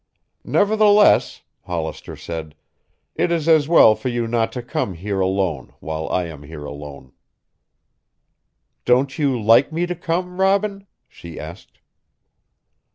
"Nevertheless," Hollister said, "it is as well for you not to come here alone while I am here alone." "Don't you like me to come, Robin?" she asked.